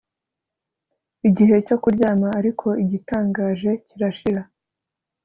Igihe cyo kuryama ariko igitangaje kirashira